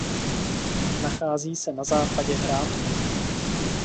Nachází se na západě Hrádku.